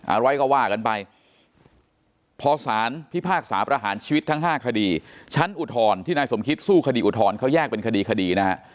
อะไรก็ว่ากันไปพอสารพิพากษาประหารชีวิตทั้ง๕คดีชั้นอุทธรณ์ที่นายสมคิดสู้คดีอุทธรณ์เขาแยกเป็นคดีคดีนะฮะ